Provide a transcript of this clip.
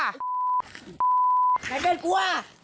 อะไรเบ๊คกูอะ